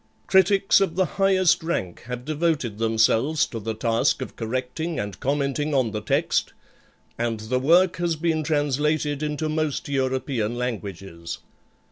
Critics of the highest rank have devoted themselves to the task of correcting and commenting on the text, and the work has been translated into most European languages.